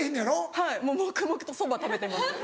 はいもう黙々とそば食べてます。